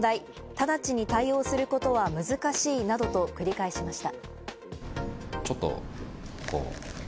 直ちに対応することは難しいなどと繰り返しました。